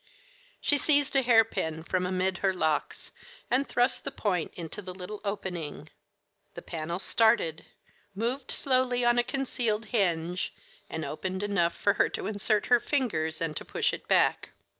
She seized a hairpin from amid her locks, and thrust the point into the little opening. The panel started, moved slowly on a concealed hinge, and opened enough for her to insert her fingers and to push it back.